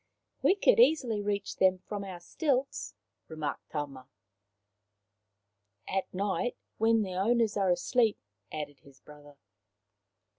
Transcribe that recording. " We could easily reach them from our stilts," remarked Tama. " At night, when the owners are asleep," added his brother.